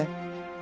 あ！